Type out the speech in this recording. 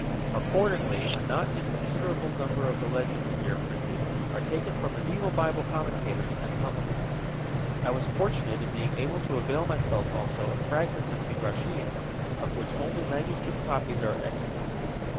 Accordingly, a not inconsiderable number of the legends here printed are taken from medieval Bible commentators and homilists. I was fortunate in being able to avail myself also of fragments of Midrashim of which only manuscript copies are extant.